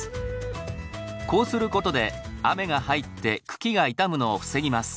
こうする事で雨が入って茎が傷むのを防ぎます。